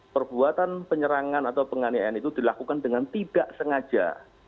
perbuatan penyerangan atau penganiayaan itu dilakukan dengan tidak sengaja